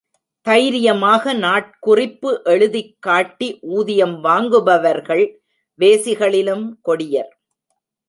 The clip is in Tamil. தைரியமாக நாட்குறிப்பு எழுதிக் காட்டி ஊதியம் வாங்குபவர்கள் வேசிகளிலும் கொடியர்.